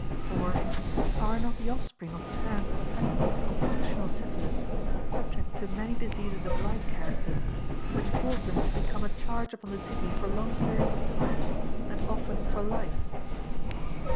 "4. Are not the offspring of parents affected with constitutional syphilis subject to many diseases of like character, which cause them to become a charge upon the city for long periods of time, and often for life?